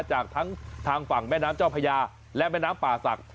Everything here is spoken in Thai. จากทั้งทางฝั่งแม่น้ำเจ้าพญาและแม่น้ำป่าศักดิ